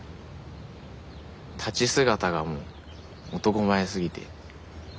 立ち姿がもう男前すぎて。